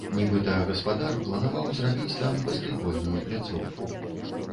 Нібыта, гаспадар планаваў зрабіць там баскетбольную пляцоўку.